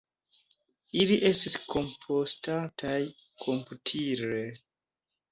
Ili estis kompostataj komputile.